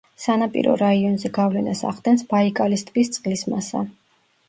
სანაპირო რაიონზე გავლენას ახდენს ბაიკალის ტბის წყლის მასა.